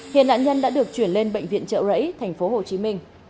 hiện nạn nhân đã được chuyển lên bệnh viện trợ rẫy tp hcm